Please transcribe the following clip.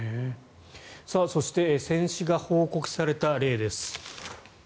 そして戦死が報告された例です。